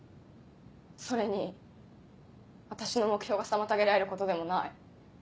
それに私の目標が妨げられることでもない。